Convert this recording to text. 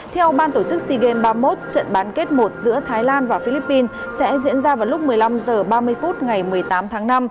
theo ban tổ chức sea games ba mươi một trận bán kết một giữa thái lan và philippines sẽ diễn ra vào lúc một mươi năm h ba mươi phút ngày một mươi tám tháng năm